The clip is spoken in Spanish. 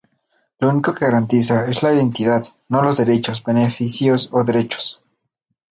Lo único que garantiza es la identidad; no los derechos, beneficios o derechos.